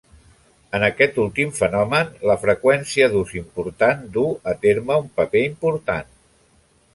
En aquest últim fenomen la freqüència d’ús important du a terme un paper important.